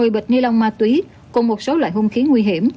một mươi bịch ni lông ma túy cùng một số loại hung khí nguy hiểm